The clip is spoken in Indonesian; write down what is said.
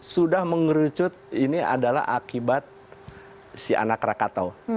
sudah mengerucut ini adalah akibat si anak rakatau